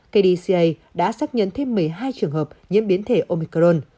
kdca đã xác nhận thêm một mươi hai trường hợp nhiễm biến thể omicron